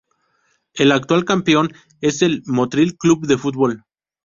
El actual campeón es el Motril Club de Fútbol.